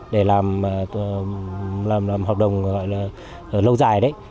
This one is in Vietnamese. để làm hợp đồng lâu dài đấy